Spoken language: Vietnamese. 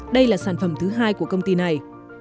đây là sản phẩm thứ hai của công ty này